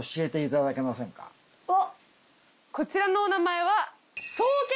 こちらのお名前は。